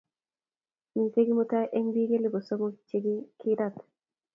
Mitei Kimutai eng bik elpu sokom che kikirat